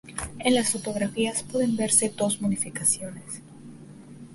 En las fotografías pueden verse dos modificaciones.